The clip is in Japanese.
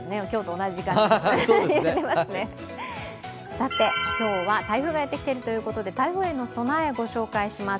さて今日は台風がやってきているということで台風への備えをご紹介します。